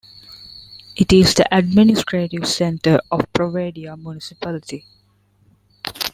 It is the administrative centre of Provadia Municipality.